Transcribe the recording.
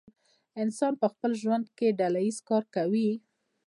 انسان په خپل ژوند کې ډله ایز کار کوي.